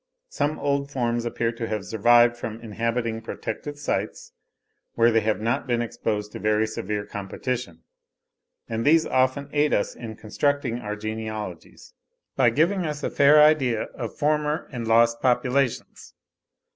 Some old forms appear to have survived from inhabiting protected sites, where they have not been exposed to very severe competition; and these often aid us in constructing our genealogies, by giving us a fair idea of former and lost populations.